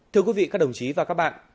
thưa quý vị các đồng chí và các bạn